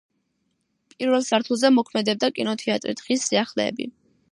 პირველ სართულზე მოქმედებდა კინოთეატრი „დღის სიახლეები“.